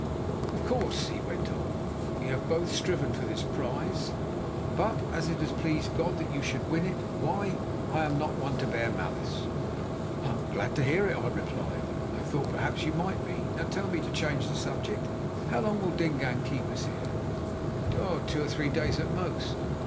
"Of course," he went on, "we have both striven for this prize, but as it has pleased God that you should win it, why, I am not one to bear malice." "I am glad to hear it," I replied. "I thought that perhaps you might be. Now tell me, to change the subject, how long will Dingaan keep us here?" "Oh! two or three days at most.